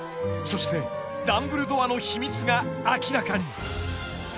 そしてダンブルドアの秘密が明らかに！